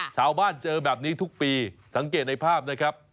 ชาวบ้านเจอแบบนี้ทุกปีสังเกตในภาพนะครับ